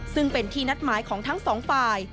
ซึ่งเป็นที่นัดหมายของทั้งสองฝ่าย